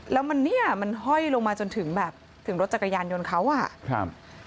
แล้วมันเนี่ยมันห้อยลงมาจนถึงแบบถึงรถจักรยานยนต์เขาอ่ะครับ